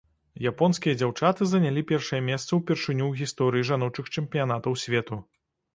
Японскія дзяўчаты занялі першае месца ўпершыню ў гісторыі жаночых чэмпіянатаў свету.